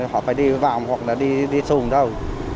họ phải đi vào hoặc là đi xuống đâu